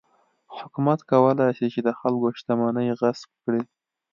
حکومت کولای شي چې د خلکو شتمنۍ غصب کړي.